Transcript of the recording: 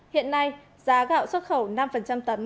hiện nay giá gạo xuất khẩu năm tấm